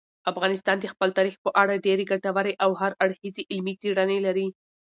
افغانستان د خپل تاریخ په اړه ډېرې ګټورې او هر اړخیزې علمي څېړنې لري.